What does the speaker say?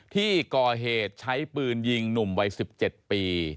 ที่ก่อเหตุใช้ปืนยิงหนุ่มวัย๑๗ปี